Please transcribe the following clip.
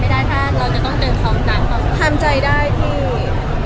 แป๊บว่ายังทำใจไม่ได้ค่ะ